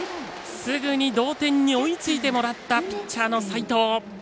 すぐに同点に追いついてもらったピッチャーの齋藤。